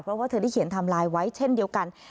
เพราะว่าเธอได้เขียนไทม์ไลน์ไว้เช่นเดียวกัน